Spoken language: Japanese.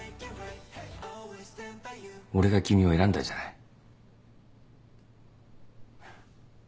俺が君を選んだじゃない。